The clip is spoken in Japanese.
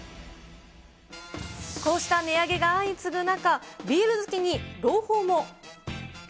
こうした値上げが相次ぐ中、ビール好きに朗報も。